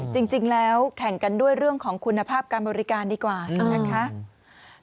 จริงแล้วแข่งกันด้วยเรื่องของคุณภาพการบริการดีกว่านะคะ